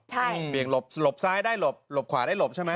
ใช่เบี่ยงหลบหลบซ้ายได้หลบหลบขวาได้หลบใช่ไหม